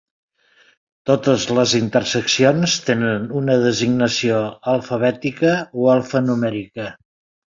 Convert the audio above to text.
Totes les interseccions tenen una designació alfabètica o alfanumèrica.